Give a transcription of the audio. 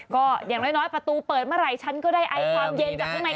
ก็อย่างน้อยประตูเปิดเมื่อไหร่ฉันก็ได้ไอความเย็นจากข้างใน